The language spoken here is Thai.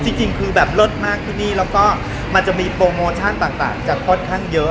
จริงคือแบบเลิศมากที่นี่แล้วก็มันจะมีโปรโมชั่นต่างจะค่อนข้างเยอะ